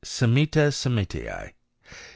Semita Semitee.